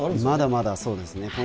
まだまだそうですね。